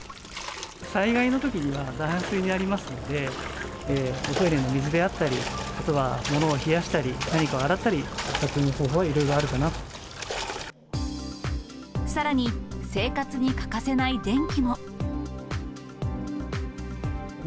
災害のときには断水になりますので、おトイレの水であったり、あとは物を冷やしたり、何かを洗ったり、活用の方法はいろいろあさらに、生活に欠かせない電気も。